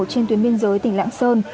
trên tuyến biên giới tỉnh lạng sơn